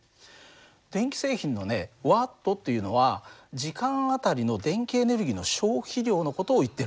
電気製品のねＷというのは時間あたりの電気エネルギーの消費量の事をいってるんだね。